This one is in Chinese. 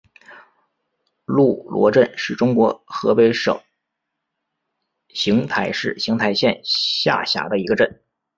路罗镇是中国河北省邢台市邢台县下辖的一个镇。